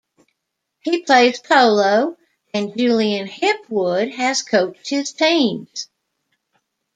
He plays polo, and Julian Hipwood has coached his teams.